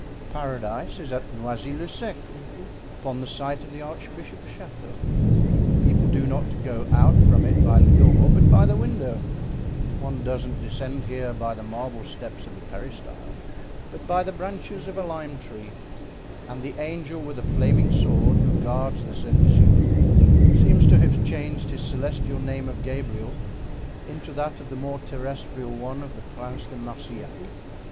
Paradise is at Noisy le Sec, upon the site of the archbishop's chateau. People do not go out from it by the door, but by the window; one doesn't descend here by the marble steps of a peristyle, but by the branches of a lime tree; and the angel with a flaming sword who guards this elysium seems to have changed his celestial name of Gabriel into that of the more terrestrial one of the Prince de Marsillac."